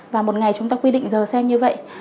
và một ngày chúng ta quy định giờ xem như vậy